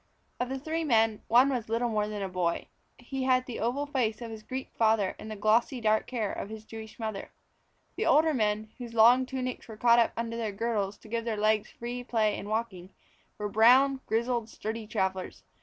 Of the three men, one was little more than a boy. He had the oval face of his Greek father and the glossy dark hair of his Jewish mother. The older men, whose long tunics were caught up under their girdles to give their legs free play in walking, were brown, grizzled, sturdy travellers.